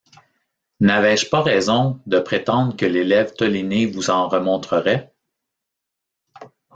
N’avais-je pas raison de prétendre que l’élève Toliné vous en remontrerait?